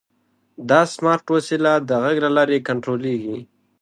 دا سمارټ وسیله د غږ له لارې کنټرولېږي.